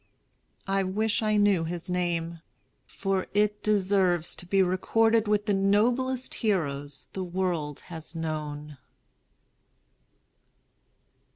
I wish I knew his name; for it deserves to be recorded with the noblest heroes the world has known.